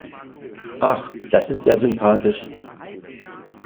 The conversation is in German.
Ach, das ist ja sympathisch.